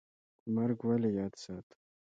مرګ ولې یاد ساتو؟